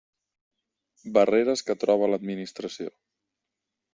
Barreres que troba l'administració.